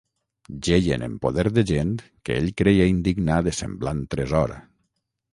Jeien en poder de gent que ell creia indigna de semblant tresor